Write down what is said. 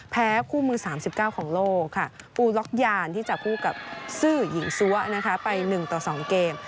แพ้คู่มือ๓๙ของโลกค่ะปูล็อกยานที่จับคู่กับซื่อหญิงซัวนะคะไป๑ต่อ๒เกม